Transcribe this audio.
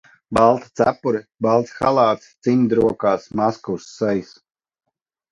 Balta cepure, balts halāts, cimdi rokās, maska uz sejas.